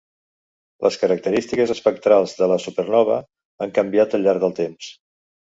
Les característiques espectrals de la supernova han canviat al llarg del temps.